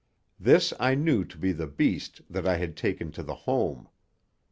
This I knew to be the beast that I had taken to the home.